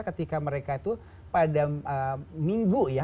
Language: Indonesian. ketika mereka itu pada minggu ya